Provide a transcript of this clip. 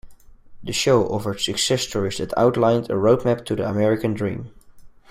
The show offered success stories that outlined a roadmap to the American Dream.